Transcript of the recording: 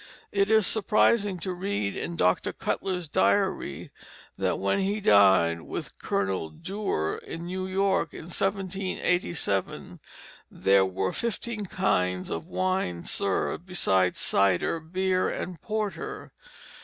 It is surprising to read in Dr. Cutler's diary that when he dined with Colonel Duer in New York in 1787, there were fifteen kinds of wine served besides cider, beer, and porter.